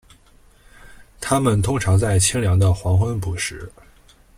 它们通常在清凉的黄昏捕食。